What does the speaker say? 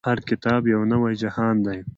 هر کتاب يو نوی جهان دی.